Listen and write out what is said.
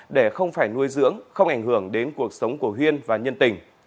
để không phải nuôi dưỡng không ảnh hưởng đến cuộc sống của huyên và nhân tình